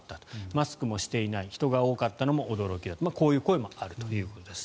マスクもしていない人が多かったのも驚きだこういう声もあるということです。